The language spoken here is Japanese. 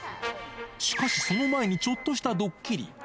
しかし、その前にちょっとしたドッキリ。